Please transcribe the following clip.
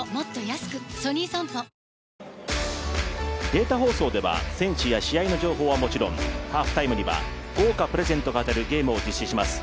データ放送では選手や試合の情報はもちろんハーフタイムには、豪華プレゼントが当たるゲームを実施します。